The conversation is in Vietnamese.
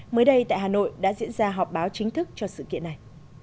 mới đây tại hà nội đã diễn ra họp báo chính thức cho sự kiện này